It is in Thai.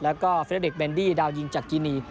แล้วก็เฟรดิกเบนดี้ดาวยิงจากกินี